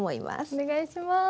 お願いします。